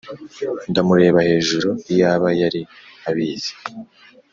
ndamureba hejuru, iyaba yari abizi